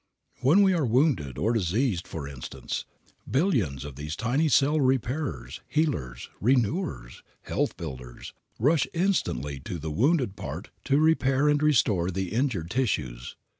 When we are wounded or diseased, for instance, billions of these tiny cell repairers, healers, renewers, health builders, rush instantly to the wounded part to repair and restore the injured tissues.